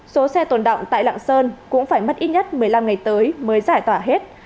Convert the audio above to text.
số xe tồn động tại lạng sơn cũng phải mất ít nhất một mươi năm ngày tới mới giải tỏa hết